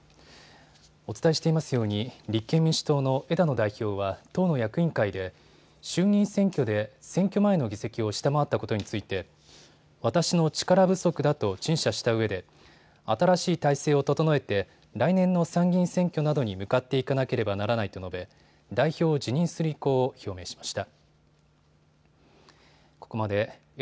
お伝えしていますように立憲民主党の枝野代表は党の役員会で衆議院選挙で選挙前の議席を下回ったことについて私の力不足だと陳謝したうえで、新しい体制を整えて来年の参議院選挙などに向かっていかなければならないと述べ代表を辞任する意向を表明しました。